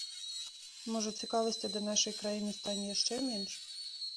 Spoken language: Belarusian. Можа, цікавасці да нашай краіны стане яшчэ менш?